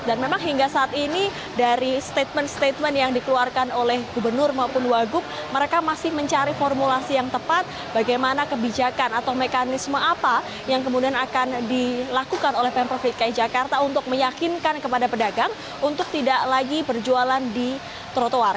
dan memang hingga saat ini dari statement statement yang dikeluarkan oleh gubernur maupun waguk mereka masih mencari formulasi yang tepat bagaimana kebijakan atau mekanisme apa yang kemudian akan dilakukan oleh pemprov dki jakarta untuk meyakinkan kepada pedagang untuk tidak lagi berjualan di trotoar